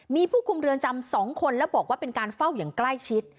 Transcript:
มีผู้คุมเรือนจำ๒คนแล้วบอกว่าเป็นการเฝ้าอย่างใกล้ชิด